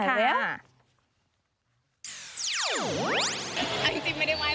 จริงไม่ได้ว่ายภาคเลย